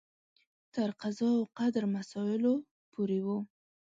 تر قضا او قدر مسایلو پورې و.